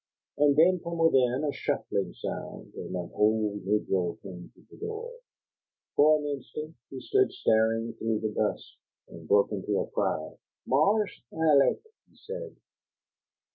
And then, from within, a shuffling sound, and an old negro came to the door. For an instant he stood staring through the dusk, and broke into a cry. "Marse Alec!" he said.